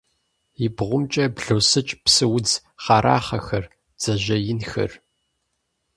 И бгъумкӀэ блосыкӀ псы удз хъэрахъэхэр, бдзэжьей инхэр.